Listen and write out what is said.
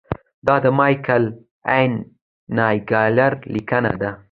دا د مایکل این ناګلر لیکنه ده.